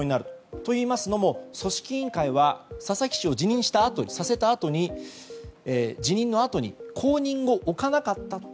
といいますのも組織委員会は佐々木氏の辞任のあとに後任を置かなかった。